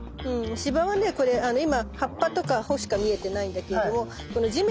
シバはねこれ今葉っぱとか穂しか見えてないんだけれどもこの地面